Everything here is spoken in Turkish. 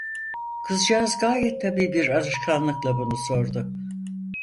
Kızcağız gayet tabii bir alışkanlıkla bunu sordu!